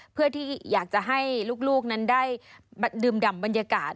เพื่อที่อยากจะให้ลูกนั้นได้ดื่มดำบรรยากาศ